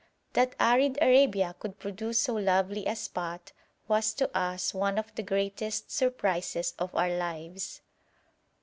That arid Arabia could produce so lovely a spot, was to us one of the greatest surprises of our lives.